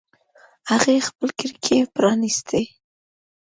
هغې خپلې کړکۍ پرانیستې